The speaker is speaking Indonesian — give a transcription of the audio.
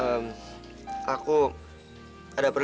ehm aku ada perut